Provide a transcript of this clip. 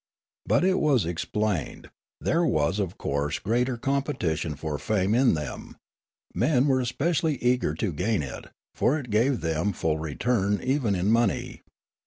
But, it was explained, there was of cour.se greater competition for fame in them ; men were especially eager to gain it, for it gave them full return even in monej